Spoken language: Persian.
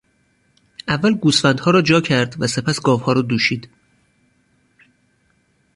اول گوسفندها را جا کرد و سپس گاوها را دوشید.